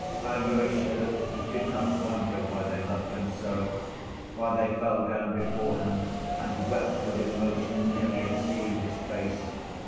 Alyosha did not wonder why they loved him so, why they fell down before him and wept with emotion merely at seeing his face.